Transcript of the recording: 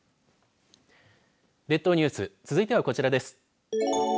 列島ニュース続いてはこちらです。